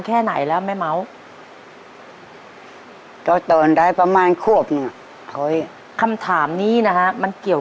เขาเอามาห้อย